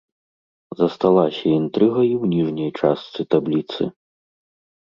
Засталася інтрыга і ў ніжняй частцы табліцы.